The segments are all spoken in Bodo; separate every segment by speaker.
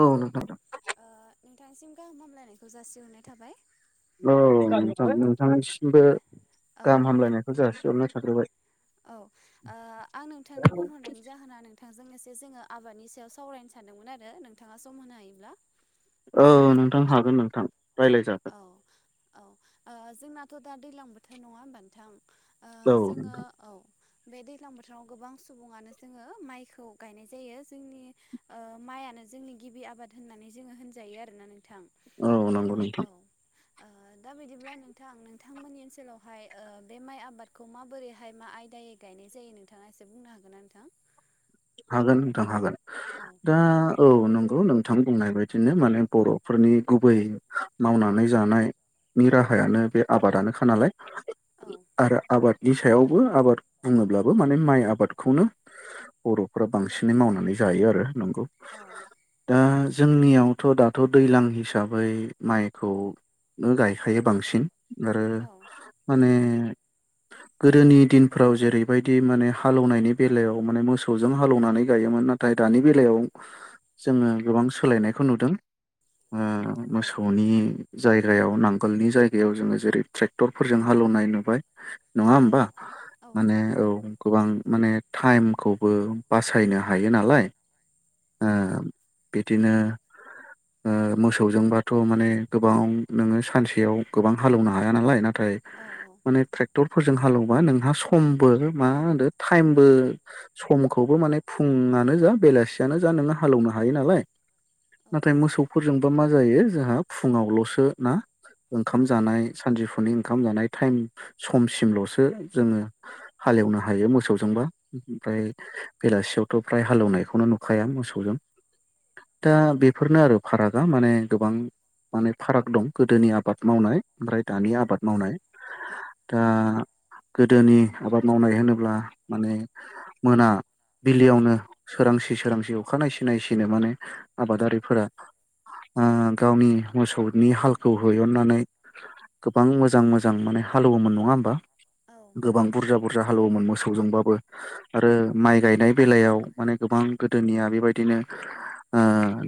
Speaker 1: औ नोंथां।
Speaker 2: ओ नोंथांसिम गाहाम हामलायनायखौ जासिहरनाय थाबाय।
Speaker 1: औ नोंथां नोंथांसिमबो
Speaker 2: औ
Speaker 1: गाहाम हामलायनायखौ जासिहरनाय थाग्रोबाय।
Speaker 2: औ ओ आं नोंथांनो फन हरनायनि जाहोना नोंथांजों एसे। जोङो आबादनि सायाव सावरायनो सानदोंमोन आरो नोंथाङा सम होनो हायोब्ला।
Speaker 1: औ नोंथां हागोन नोंथां। रायज्लायजागोन
Speaker 2: औ औ ओ जोंनाथ' दा दैज्लां बोथोर नङा होमबा नोंथां। ओ
Speaker 1: औ
Speaker 2: जोङो
Speaker 1: नोंथां
Speaker 2: औ। बे दैलां बोथोराव गोबां सुबुङानो जोङो माइखौ गायनाय जायो जोंनि ओ मा। माइयानो जोंनि गिबि आबाद होननानै जोङो होनजायो आरोना नोंथां।
Speaker 1: औ
Speaker 2: ओ
Speaker 1: नंगौ नोंथां।
Speaker 2: औ ओ दा बिदिब्ला नोंथां नोंथांमोननि ओनसोलावहाय ओ बे माइ आबादखौ माबोरैहाय मा आयदायै। गायनाय जायो नोंथाङा एसे बुंनो हागोन ना नोंथां।
Speaker 1: हागोन नोंथां हागोन
Speaker 2: औ
Speaker 1: दा औ नों। नोंथां बुंनाय बायदिनो माने बर'फोरनि गुबै मावनानै जानाय। नि
Speaker 2: औ
Speaker 1: राहायानो बे आबादानोखा नालाय
Speaker 2: औ
Speaker 1: आरो आबाद। नि सायावबो आबाद बुङोब्लाबो माने माइ आबादखौनो। बर'फोरा बांसिनै मावनानै जायो आरो नंगौ
Speaker 2: औ
Speaker 1: दा। जोंनियावथ' दाथ' दैज्लां हिसाबै माइखौनो गायखायो बांसिन। आरो
Speaker 2: औ
Speaker 1: माने। गोदोनि दिनफ्राव जेरैबायदि माने हालेवनायनि बेलायाव माने मोसौ। सौजों हालौवनानै गायोमोन नाथाय दानि बेलायाव। जोङो गोबां सोलायनायखौ नुदों
Speaker 2: औ
Speaker 1: मोसौनि जायगायाव नांगोलनि जायगायाव जोङो जेरै ट्रेक्टरफोरजों हालेवनाय नुबाय नङा
Speaker 2: औ
Speaker 1: होनबा
Speaker 2: औ
Speaker 1: माने
Speaker 2: नंगौ
Speaker 1: औ गोबां माने टाइमखौ बो बासायनो हायो नालाय बिदिनो मोसौजोंबाथ' माने गोबां नोङो सानसेयाव गोबां हालेवनो हाया नालाय न नाथाय
Speaker 2: औ
Speaker 1: माने फोरजों हालौवबा नोंहा समबो मा होनो टाइमबो समखौबो माने फुङानो जा बेलासियानो जा नोङो हालेवनो हायो नालाय
Speaker 2: औ
Speaker 1: नाथाय मोसौफोरजोंबा मा जायो जोंहा फुङावल'सो ना ओंखाम
Speaker 2: औ
Speaker 1: जानाय सानजौफुनिं ओंखाम जानाय टाइम समसिम ल'सो जोङो हालेवनो हायो मोसौजोंबा ओमफ्राय बेलासियावथ' फ्राय हालेवनायखौनो नुखाया मोसौजों दा बेफोरनो आरो फारागा माने गोबां माने फाराग दं गोदोनि आबाद मावनाय ओमफ्राय दानि
Speaker 2: औ
Speaker 1: आबाद मावनाय दा गोदोनि आबाद मावनाय होनोब्ला माने मोना बिलयावनो सोरांसि सोरांसि अखा नाय सि नायसिनो माने आबादारिफोरा गावनि मोसौनि हालखौ हैहननानै गोबां मोजां मोजां माने हालेवोमोन नङा होमबा
Speaker 2: औ
Speaker 1: गोबां बुरजा बुरजा हालेवोमोन मोसौजोंबाबो आरो माइ गायनाय बेलायाव माने गोबां गोदोनिया बेबायदिनो ओ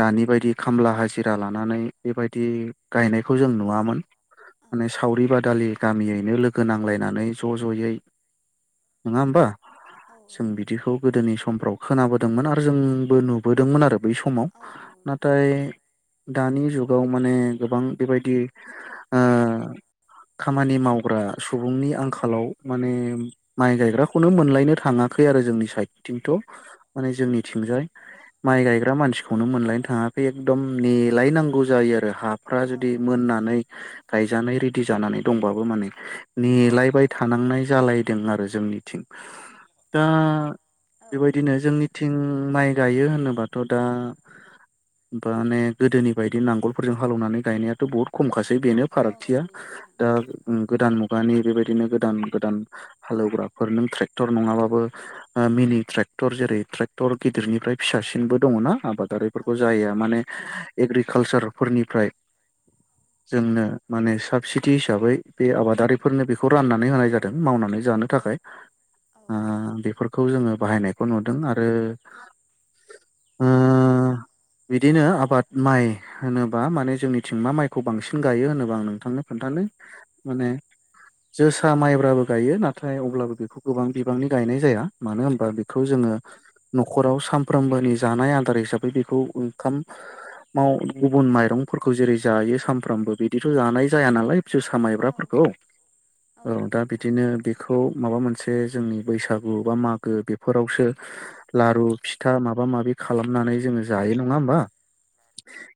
Speaker 1: दानि बायदि खामला हाजिरा लानानै बेबायदि गायनायखौ जों नुवामोन माने सावरि बादालि गामियैनो लोगो नांलायनानै ज' ज'यै नङा होमबा
Speaker 2: औ
Speaker 1: जों बिदिखौ गोदोनि समफ्राव खोनाबोदोंमोन आरो जोंबो नुबोदोंमोन आरो बै समाव
Speaker 2: औ नंगौ नोंथां
Speaker 1: नाथाय दानि जुग गाव माने गोबां बेबायदि ओ
Speaker 2: औ
Speaker 1: खामानि मावग्रा सुबुंनि आंखालाव माने माइ गायग्राखौनो मोनलायनो थाङाखै आरो जोंनि साइदथिंथ' माने जोंनिथिंजाय माइ गायग्रा मानसिखौनो
Speaker 2: औ
Speaker 1: मोनलायनो थाङाखै एकदम नेलायनांगौ जायो आरो हाफ्रा
Speaker 2: औ
Speaker 1: जुदि
Speaker 2: नंगौ
Speaker 1: मोननानै
Speaker 2: नोंथं
Speaker 1: गायजानाय जानानै दंबो माने
Speaker 2: औ
Speaker 1: नेेलायबाय थानांनाय जालायदों आरो जोंनिथिं दा
Speaker 2: औ
Speaker 1: बेबायदिनो जोंनिथिं माइ गायो होनोबाथ' दा माने गोदोनि बायदि नांगोलफोरजों हालौवनानै गायनायाथ' बहुत खमखासै बेनो
Speaker 2: औ
Speaker 1: फारागथिया
Speaker 2: नंगौ नोंथां
Speaker 1: दा गोदान मुगानि बेबायदि बिनो गोद गोदान हालौग्राफोर नों ट्रेक्टर नंआबाबो बो मिनि ट्रेक्टर जेरै ट्रेक्टर गिदिरनिफ्राय फिसासिनबो दङना
Speaker 2: औ
Speaker 1: आबादारिफोरबो माने एंग्रि कालसार फोरनिफ्राय जोंनो माने साबसिडि हिसाबै बे आबादारिफोरनो बेखौ राननानै होनाय जादों मावनानै जानो थाखाय [inaudible] बेफोरखौ जोङो बाहायनायखौ नुदों आरो अ बिदिनो आबाद माइ होनोबा माने जोंनिथिं मा माइखौ बांसिन गायो होनोबा आं नोंथांनो खोन्थानो माने
Speaker 2: औ
Speaker 1: जोसा माइब्राबो गायो नाथाय अब्लाबो बेखौ गोबां बिबांनि गायनाय जाया मानो होनबा बेखौ जोङो न'खराव सानफ्रोमबोनि जानाय आदार हिसाबै बेखौ ओंखाम गुबुन माइरंफोरखौ जेरै जायो सानफ्रामबो बिदिथ' जानाय जाया नालाय जोसा माइब्राफोरखौ औ दा बिदिनो बेखौ माबा मोनसे जोंनि बैसागु बा मागो बेफोरावसो लारु फिथा माबा माबि खालामनानै जों जायो नङा होमबा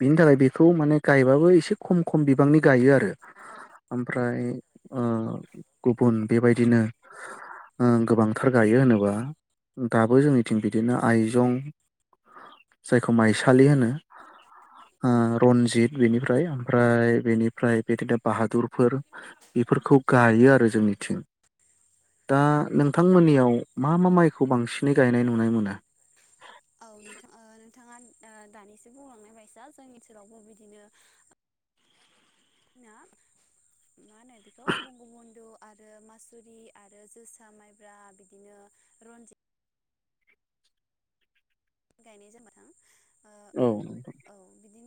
Speaker 1: बिनि थाखाय बेखौ माने गायबाबो एसे खम खम बिबांनि गायो आरो ओमफ्राय ओ गुबुन बेबायदिनो ओम गोबांथार गायो होनोबा दाबो जोंनिथिं बिदिनो आइजं जायखौ माइसालि होनो ओम रन्जित बेनिफ्राय ओमफ्राय बेनिफ्राय बिदिनो बाहादुरफोर बेफोरखौ गायो आरो जोंनिथिं दा नोंथांमोननियाव मा मा माइखौ बांसिनै गायनाय नुनाय मोनो
Speaker 2: [inaudible] [unintelligible] मा होनो बेखौ बंग बन्धु आरो मासुरि आरो जोसा माइब्रा बिदिनो रनजित गायनाय जाबाय [unintelligible]
Speaker 1: औ [unintelligible]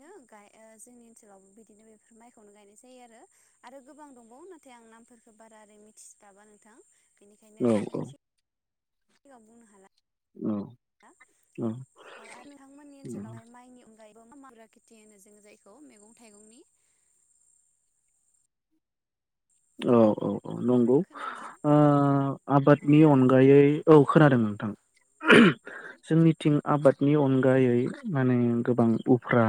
Speaker 2: [unintelligible] ओ जोंनि ओनसोलाव बिनो बे माइखौनो गायनाय जायो आरो गोबां दंबावो नाथाय [unintelligible] [unintelligible] [unintelligible] हाला
Speaker 1: औ
Speaker 2: औ आरो नोंथांमोननि ओनसोलावहाय माइनि [unintelligible] मैगं थाइगंनि
Speaker 1: औ औ औ नंगौ
Speaker 2: खोनादोंना
Speaker 1: ओ
Speaker 2: औ
Speaker 1: आबादनि अनगायै औ खोनादों नोंथां [unintelligible] जोंनिथिं आबादनि
Speaker 2: औ
Speaker 1: अनगायै माने गोबां उफ्रा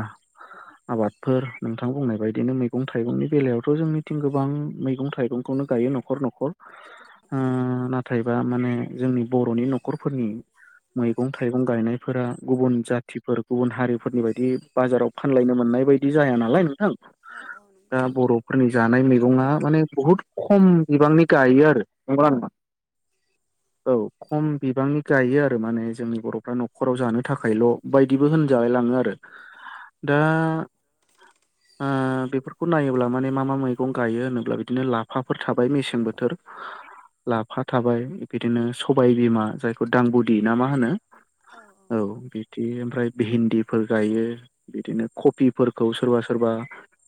Speaker 1: आबादफोर नोंथां बुंनाय बायदिनो मैगं थाइगंनि बेलायावथ' जोंनिथिं गोबां मै थाइगंखौनो गायो न'खर न'खर ओम नाथायबा माने जोंनि बर'नि न'खरफोरनि
Speaker 2: औ
Speaker 1: मैगं थाइगं गायनायफोरा गुबुन जाथिफोर गुबुन हारिफोरनि बायदि बाजाराव फानलायनो मोन नाय बादि जाया नालाय नोंथां
Speaker 2: औ औ
Speaker 1: दा
Speaker 2: नंगौ
Speaker 1: बर'फोरनि जानाय मैगं आ मानि बहुद खम बिबांनि गायो आरो नंगौना नङा औ खम बिबांनि गायो आरो माने जोंनि बर'फ्रा न'खराव जानो थाखायल' बायदिबो होनजाला [unintelligible] आरो दा
Speaker 2: औ
Speaker 1: ओ बेफोरखौ नायोब्ला माने मा मा मैगं गायो होनोब्ला बि बिदिनो लाफाफोर थाबाय मेसें बोथोर लाफा थाबाय बिदिनो सबाय बिमा जायखौ दांगबुदि ना मा होनो औ बिदि ओमफ्राय भिन्दिफोर गायो बिदिनो कबिफोरखौ सोरबा सोरबा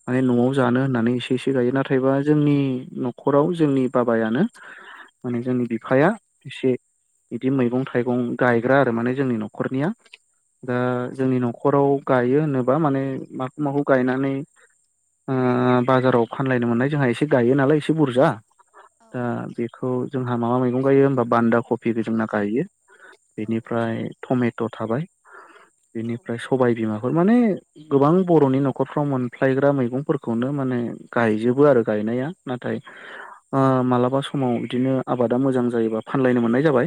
Speaker 1: माने न'आव जानो होननानै नानै इसे गायो नाथायबा जोंनि न'खराव जोंनि बाबायानो माने
Speaker 2: औ
Speaker 1: जोंनि बिफाया एसे बिदि मैगं थाइगं गायग्रा आरो माने जोंनि न'खरनिया
Speaker 2: औ
Speaker 1: दा जोंनि
Speaker 2: नंगौ
Speaker 1: न'खराव गायो होनोब्ला माने माखौ गनानै ओ बाजाव फानलायनो मोननाय एसे एसे गायो नालाय एसे बुरजा
Speaker 2: औ
Speaker 1: दा बेखौ जोंहा माबा मैगं गायो होमबा बान्दा कफिबो जोंना गायो बेनिफ्राय टमेट' थाबाय बेनिफ्राय सबायबिमाफोर माने गोबां बर'नि न'खरफ्राव मोनफ्लायग्रा मैगंफोरखौनो माने गायजोबो आरो गायनाया नाथाय ओ मालाबा समाव बिदिनो आबादा मोजां जायोबा फानलायनो मोननाय जाबाय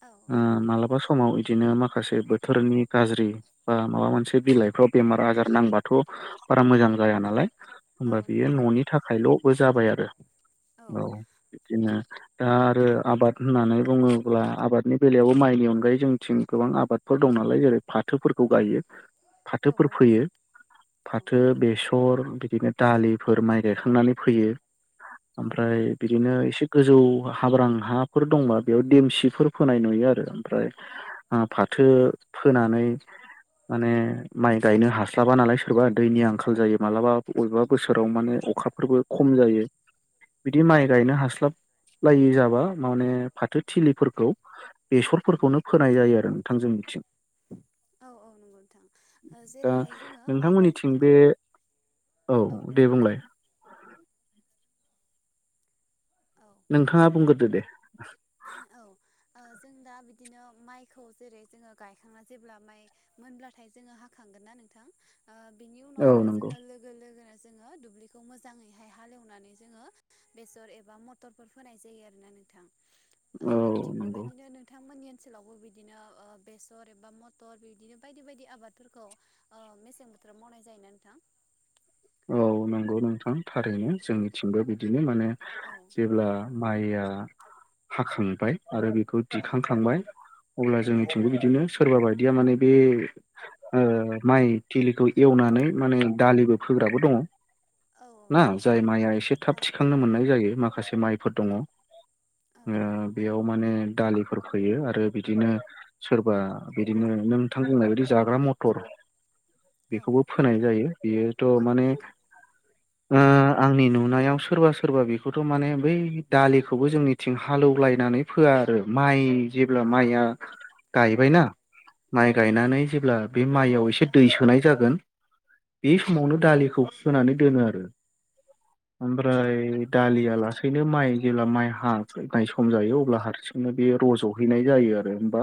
Speaker 2: औ
Speaker 1: मालाबा स माव बिदिनो माखासे बोथोरनि गाज्रि बा माबा मोनसे
Speaker 2: औ
Speaker 1: बिलाइफ्राव बेमार आजार नांबाथ' बारा मोजां जाया नालाय
Speaker 2: औ
Speaker 1: होमबा बेयो
Speaker 2: नोंथां
Speaker 1: न'नि थाखायल'बो जाबाय आरो औ बिदिनो दा आरो आबाद होननानै बुङोब्ला आबादनि बेलायावबो माइनि अनगायै जोंथिं गोबां आबाद फोर दं नालाय जेरै बाथ फाथोफोरखौ
Speaker 2: औ
Speaker 1: गायो
Speaker 2: औ
Speaker 1: फाथोफोर फोयो
Speaker 2: नंगौ औ
Speaker 1: फाथो बेसर बिदिनो दालिफोर माइ गायखांनानै फोयो ओमफ्राय बिदिनो इसे गोजौ हाब्रां हाफोर दंबा बेयाव देमसिफोर फोनाय नुयो आरो ओमफ्राय ओ फाथ थो फोनानै माने माइ गायनो हास्लाबा नालाय सोरबा दैनि आंखाल जायो मालाबा बबेबा बोसोराव माने अखाफोरबो खम जायो बिदि माइ गायनो
Speaker 2: औ
Speaker 1: हास्लाबलायै जाबा माने फाथोथिलिफोरखौ बेसरफोरखौनो फोनाय जायो आरो नोंथां जोंनिथिं।
Speaker 2: औ औ नंगौ नोंथां
Speaker 1: दा
Speaker 2: जेरैहाय जोङो माइ
Speaker 1: नोंथांमोननिथिं
Speaker 2: गायखां
Speaker 1: बे
Speaker 2: औ।
Speaker 1: औ दे बुंलाय।
Speaker 2: औ
Speaker 1: नोंथाङा बुंग्रोदो दे।
Speaker 2: औ ओ जों दा बिदिनो माइखौ जेरै जोङो गायखांना जेब्ला माइ मोनब्लाथाय जोङो हाखांगोन ना नोंथां ओ बिनि
Speaker 1: औ
Speaker 2: उनावनो
Speaker 1: नंगौ
Speaker 2: जोङो लोगो लोगोनो जोङो दुब्लिखौ मोजाङैहाय हालेवनानै जोङो बेसर एबा मटरफोर फोनाय जायो आरोना नोंथां। ओ
Speaker 1: औ
Speaker 2: थिग
Speaker 1: नंगौ
Speaker 2: बेबायदिनो नोंथांमोननि ओनसोलावबो बिदिनो ओ बेसर एबा मथर बिदिनो बायदि बायदि आबादफोरखौ ओ मेसें बोथोर मावनाय जायो ना नोंथां?
Speaker 1: [inaudible] औ नंगौ नोंथां
Speaker 2: औ
Speaker 1: थारैनो जोंनिथिंबो बिदिनो माने
Speaker 2: औ
Speaker 1: जेब्ला माइया हाखांबाय आरो बेखौ
Speaker 2: औ
Speaker 1: दिखांखांबाय अब्ला
Speaker 2: नंगौ
Speaker 1: जोंनिथिंबो बिदिनो सोरबा बायदिया माने बे ओ माइ थिलिखौ एवनानै माने दालिबो फोग्राबो दङ
Speaker 2: औ
Speaker 1: ना जाय माइआ एसे थाब थिखांनो मोननाय जायो माखासे माइ फोर दङ। ओ बेयाव माने दालिफोर फैयो आरो बिदिनो सोरबा बिदिनो नोंथां बुंनाय बादि जाग्रा मथर बेखौबो फोनाय जायो बेयोथ' माने ओ ओ आंनि नुनायाव सोरबा सोरबा बेखौथ' माने बै दालिखौबो जोंनिथिं हालौलायनानै फो फोया आरो माइ जेब्ला माइआ गायबायना माइ गायनानै जेब्ला बे माइयाव एसे दै सोनाय जागोन बे समावनो दालिखौ सुनानै दोनो आरो। ओमफ्राय दालिया लासैनो माइ जेब्ला माइ हानाय सम जायो अब्ला हारसिं बिनो बे रज'हैनाय जायो आरो होमबा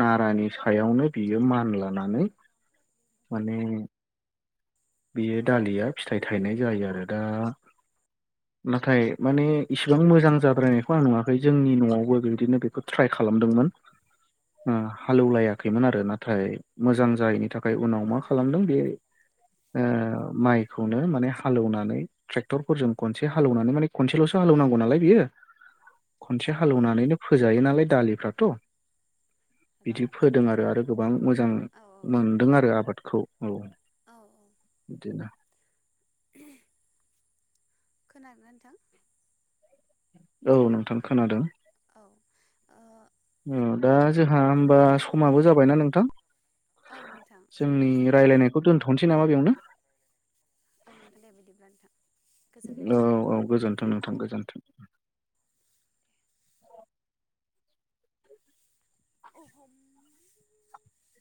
Speaker 1: नारानि सायावनो बियो मान लानानै माने बेयो दालिया फिथाइ थायनाय जायो आरो दा नाथाय माने इसिबां मोजां जाद्रायनायखौ आं नुवाखै जोंनि न'आवबो बिदिनो बेखौ ट्राय खालाम खालामदोंमोन उम हालेवलायाखैमोन आरो नाथाय मोजां जायैनि थाख ओमफ्राय उनाव
Speaker 2: औ
Speaker 1: मा खालामदों बे ओ माइखौनो माने हालेवनानै ट्रेक्टर फोरजों खनसे हालौनानै माने खनसेल'सो हालौनांगौ। गौ नालाय बियो खनसे
Speaker 2: औ
Speaker 1: हालेवनानैनो फोजायो नालाय दालिफ्राथ'।
Speaker 2: हेलौ
Speaker 1: बिदि फोदों आरो आरो गोबां मोजां
Speaker 2: औ
Speaker 1: मोनदों आरो आबादखौ औ।
Speaker 2: औ।
Speaker 1: दिना
Speaker 2: [inaudible] खोनादोंना नोंथां?
Speaker 1: औ नोंथां खोनादों।
Speaker 2: औ ओ
Speaker 1: ओ दा जोंहा होमबा
Speaker 2: नोंथाङाबो
Speaker 1: समाबो
Speaker 2: माबाफोर
Speaker 1: जाबायना नोंथां?
Speaker 2: औ नोंथां
Speaker 1: जोंनि
Speaker 2: समाबो जाबाय
Speaker 1: रायलायनायखौ दोनथ'नोसै नामा बेवनो?
Speaker 2: औ नोंथां दे बिदिब्ला नोंथां गोजोननाय
Speaker 1: औ औ गोजोनथों नोंथां गोजोनथ
Speaker 2: [inaudible]